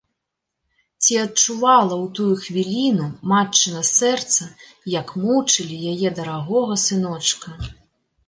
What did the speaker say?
Ці адчувала ў тую хвіліну матчына сэрца, як мучылі яе дарагога сыночка?